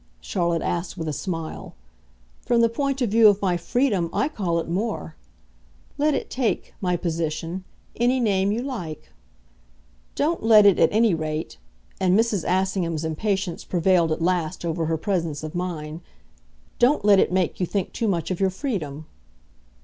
Charlotte asked with a smile. "From the point of view of my freedom I call it more. Let it take, my position, any name you like." "Don't let it, at any rate" and Mrs. Assingham's impatience prevailed at last over her presence of mind "don't let it make you think too much of your freedom."